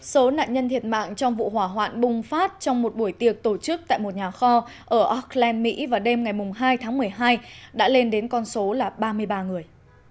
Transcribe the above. số nạn nhân thiệt mạng trong vụ hỏa hoạn bùng phát trong một buổi tiệc tổ chức tại một nhà kho ở auckland mỹ vào đêm ngày hai tháng một mươi hai đã lên đến con số là ba mươi ba người